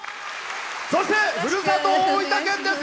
そして、ふるさと・大分県です。